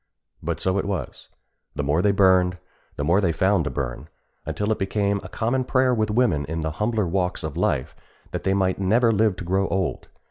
But so it was. The more they burned, the more they found to burn, until it became a common prayer with women in the humbler walks of life, that they might never live to grow old.